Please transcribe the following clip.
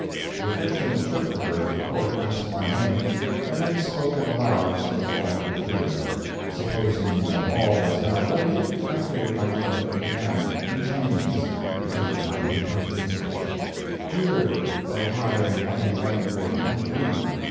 The official interpreter of the court asked my name, and then spoke it aloud so that all could hear. Supposing that all was now ready, I cleared my throat and began—in Chinese, because of my imperfect English: "Hear, O high and mighty mandarin, and believe!